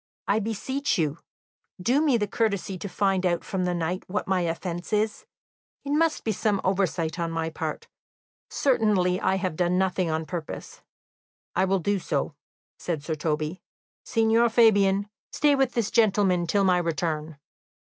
"I beseech you, do me the courtesy to find out from the knight what my offence is; it must be some oversight on my part certainly I have done nothing on purpose." "I will do so," said Sir Toby. "Signor Fabian, stay with this gentleman till my return."